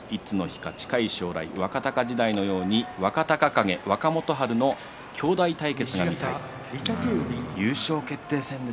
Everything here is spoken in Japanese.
近い将来、若貴時代のように若隆景、若元春の兄弟対決が見たいです。